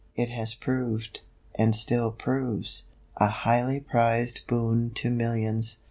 It has proved, and still proves, a highly prized boon to millions.